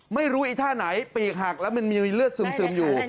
ไม่รู้ไอ้ท่าไหนปีกหักแล้วมันมีเลือดซึมอยู่